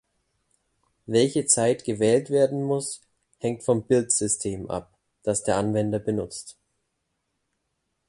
Welche Zeit gewählt werden muss, hängt vom Build-System ab, das der Anwender benutzt.